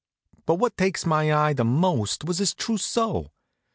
But what takes my eye most was his trousseau.